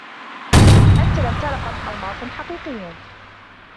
أنت لم تر قط ألماسا حقيقيا.